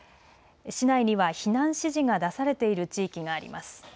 市内には避難指示が出されている地域があります。